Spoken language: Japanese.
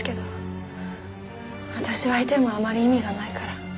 私がいてもあまり意味がないから。